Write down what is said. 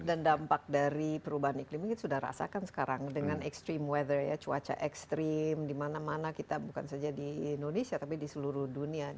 dan dampak dari perubahan iklim ini sudah rasakan sekarang dengan extreme weather ya cuaca extreme dimana mana kita bukan saja di indonesia tapi di seluruh dunia